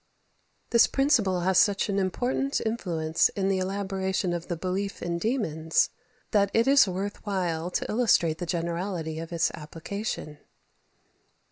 This principle has such an important influence in the elaboration of the belief in demons, that it is worth while to illustrate the generality of its application.